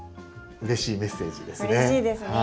うれしいメッセージですね。